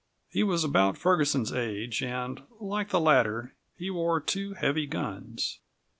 He was about Ferguson's age and, like the latter, he wore two heavy guns.